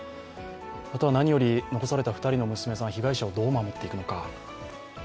あとは何より、残された２人の娘さん、被害者をどう守っていくのか。